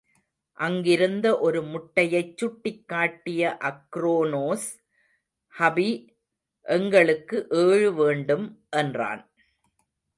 அங்கிருந்த ஒரு முட்டையைச் சுட்டிக் காட்டிய அக்ரோனோஸ், ஹபி, எங்களுக்கு ஏழு வேண்டும் என்றான்.